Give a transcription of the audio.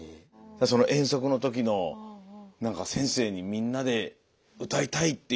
その遠足の時の何か先生にみんなで歌いたいっていうのは。